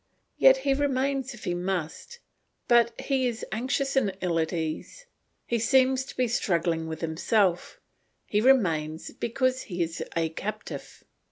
Yet he remains if he must; but he is anxious and ill at ease; he seems to be struggling with himself; he remains because he is a captive.